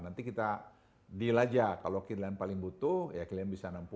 nanti kita deal aja kalau kalian paling butuh ya kalian bisa enam puluh